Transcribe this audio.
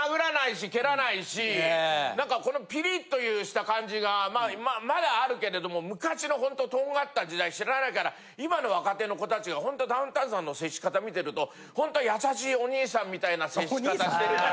何かこのピリッとした感じがまだあるけれども昔のホントとんがった時代知らないから今の若手の子達がほんとダウンタウンさんの接し方見てると本当は。みたいな接し方してるから。